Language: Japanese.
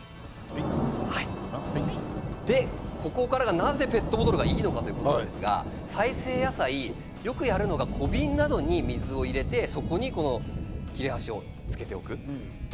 ここからが、なぜペットボトルがいいのかということなんですが再生野菜、よくやるのが小瓶などに水を入れて切れ端をつけておく。